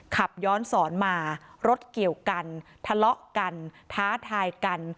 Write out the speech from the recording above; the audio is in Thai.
ขับย้อนสอนมารถเกี่ยวกันทะเลาะกันท้าทายกัน